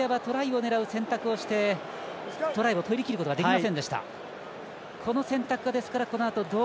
ジョージアはトライを狙う選択をして取りきることができませんでした。